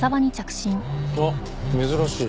あっ珍しい。